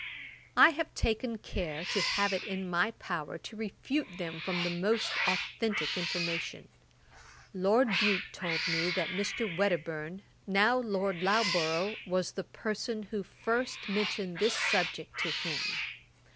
I have taken care to have it in my power to refute them from the most authentick information. Lord Bute told me, that Mr. Wedderburne, now Lord Loughborough, was the person who first mentioned this subject to him.